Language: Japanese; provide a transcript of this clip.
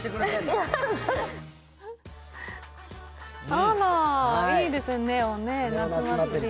あら、いいですね、ネオ・夏祭り。